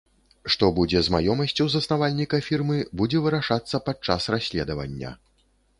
Што будзе з маёмасцю заснавальніка фірмы, будзе вырашацца падчас расследавання.